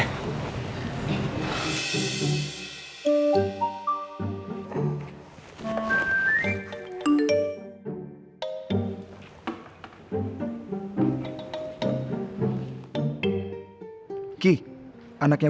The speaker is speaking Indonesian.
kiki anaknya bu andin di rumah